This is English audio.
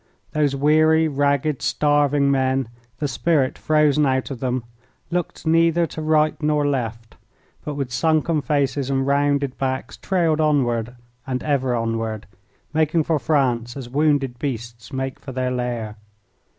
Those weary, ragged, starving men, the spirit frozen out of them, looked neither to right nor left, but with sunken faces and rounded backs trailed onward and ever onward, making for France as wounded beasts make for their lair.